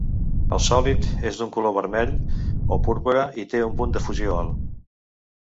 El sòlid és d'un color vermell o púrpura i té un punt de fusió alt.